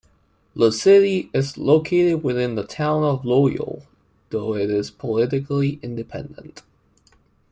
The city is located within the Town of Loyal, though it is politically independent.